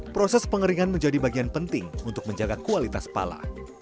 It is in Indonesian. proses pengeringan menjadi bagian penting untuk menjaga kualitas pala